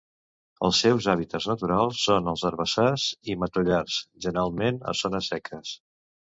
Els seus hàbitats naturals són els herbassars i matollars, generalment a zones seques.